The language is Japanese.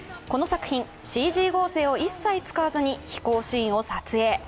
この作品ＣＧ合成を一切使わずに飛行シーンを撮影。